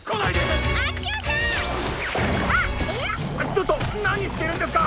ちょっとなにしてるんですか？